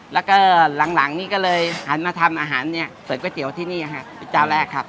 แล้วก็หลังนี่ก็เลยหันมาทำอาหารเนี่ยเปิดก๋วยเตี๋ยวที่นี่เป็นเจ้าแรกครับ